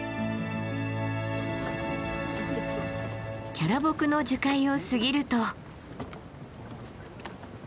キャラボクの樹海を過ぎると。